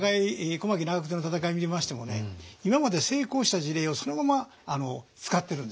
小牧・長久手の戦いを見てましてもね今まで成功した事例をそのまま使ってるんですよ。